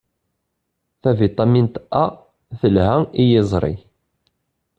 Tavitamint A telha i yiẓri.